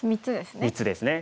３つですね。